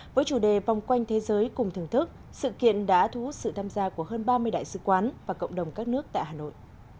với chủ đề vòng quanh thế giới cùng thưởng thức sự kiện đã thu hút sự tham gia của hơn ba mươi đại sứ quán và cộng đồng các nước tại hà nội